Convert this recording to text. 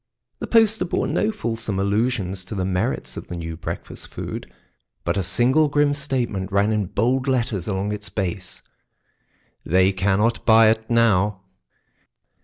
The poster bore no fulsome allusions to the merits of the new breakfast food, but a single grim statement ran in bold letters along its base: "They cannot buy it now."